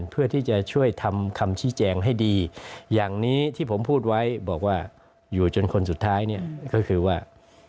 เพื่อที่จะช่วยทำคำชี้แจงให้ดีอย่างนี้ที่ผมพูดไว้บอกว่าอยู่จนคนสุดท้ายเนี่ยก็คือว่า